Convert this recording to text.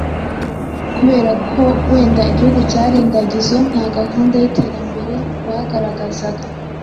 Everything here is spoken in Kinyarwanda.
Kubera ko wenda igihugu cyari indagizo nta gahunda y'iterambere bagaragazaga;